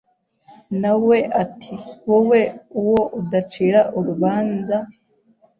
Na we ati Wowe uwo udacira urubanza